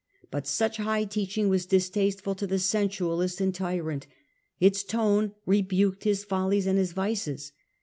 But such high teaching was distasteful to the sensualist and tyrant ; its tone rebuked his follies and his vices.